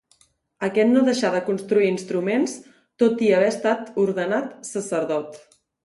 Aquest no deixà de construir instruments tot i haver estat ordenat sacerdot.